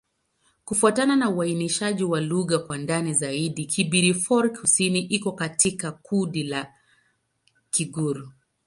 Kufuatana na uainishaji wa lugha kwa ndani zaidi, Kibirifor-Kusini iko katika kundi la Kigur.